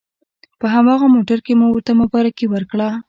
په هماغه موټر کې مو ورته مبارکي ورکړه.